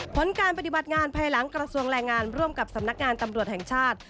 ผลการปฏิบัติงานภายหลังกระทรวงแรงงานร่วมกับสำนักงานตำรวจแห่งชาติ